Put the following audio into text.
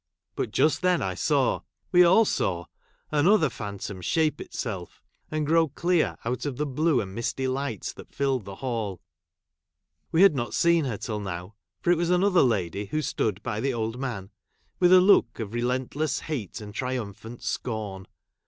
" But just then I saw — we all saw — another phantom shape itself, and grow clear out of the blue and misty light that filled the hall ; we had not seen her till now, for it was another lady who stood by I the old man, with a look of relentless hate and triumphant scorn.